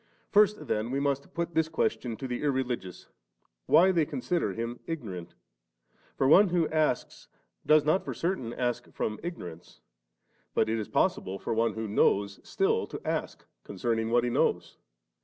First then we must put this question to the irreligious, why they consider Him ignorant? for one wbo asks, does not for certain ask from ignorance; but it is possible for one who knows, still to ask concerning what He knows.